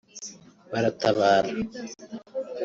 baratabara